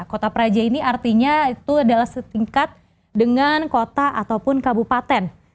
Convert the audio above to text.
kota praja ini artinya itu adalah setingkat dengan kota ataupun kabupaten